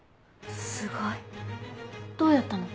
すごいどうやったの？